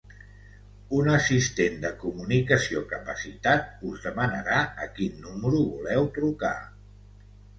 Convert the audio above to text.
Un assistent de comunicació capacitat us demanarà a quin número voleu trucar.